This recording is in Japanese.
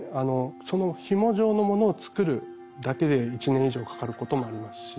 そのひも状のものを作るだけで１年以上かかることもありますし。